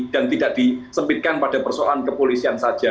dan tidak disempitkan pada persoalan kepolisian saja